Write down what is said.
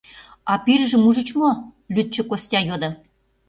— А пирыжым ужыч мо? — лӱдшӧ Костя йодо.